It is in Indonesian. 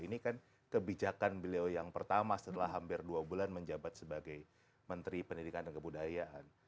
ini kan kebijakan beliau yang pertama setelah hampir dua bulan menjabat sebagai menteri pendidikan dan kebudayaan